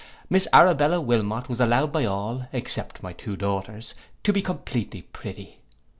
Miss Arabella Wilmot was allowed by all, except my two daughters, to be completely pretty.